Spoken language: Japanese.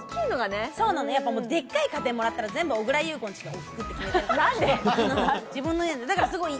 でっかい家電をもらったら、全部小倉優子に送るって決めてる。